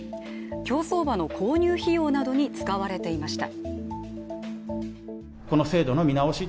競走馬の購入費用などに使われていました。